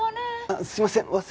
あっすみません。